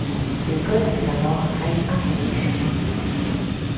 Les causes de sa mort restent inconnues.